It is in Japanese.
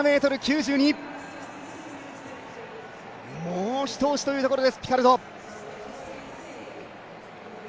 １７ｍ９２、もう一押しというところです、ピカルド。